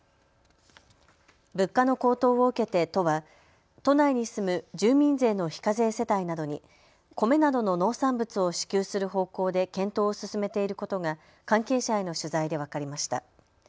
物価の高騰を受けて都は都内に住む住民税の非課税世帯などに米などの農産物を支給する方向で検討を進めていることが関係者への取材で分かりました。